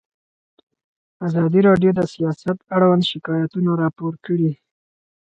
ازادي راډیو د سیاست اړوند شکایتونه راپور کړي.